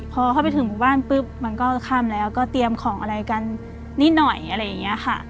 พอเข้าไปถึงหมู่บ้านปุ๊บมันก็ค่ำแล้วก็เตรียมของอะไรกันนิดหน่อยอะไรอย่างนี้ค่ะ